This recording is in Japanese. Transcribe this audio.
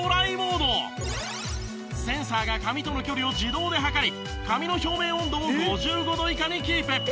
センサーが髪との距離を自動で測り髪の表面温度を５５度以下にキープ。